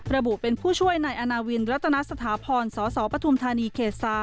ระบุเป็นผู้ช่วยนายอาณาวินรัตนสถาพรสสปทุมธานีเขต๓